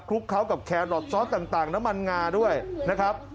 ลุกเข้ากับแครอทซอสต่างน้ำมันงาด้วยนะครับ